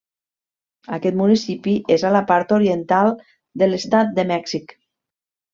Aquest municipi és a la part oriental de l'estat de Mèxic.